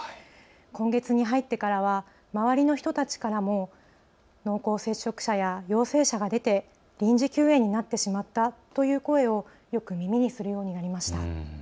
今月に入ってからは周りの人たちからも濃厚接触者や陽性者が出て臨時休園になってしまったという声をよく耳にするようになりました。